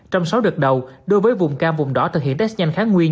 trong sáu đợt đầu đối với vùng cam vùng đỏ thực hiện test nhanh kháng nguyên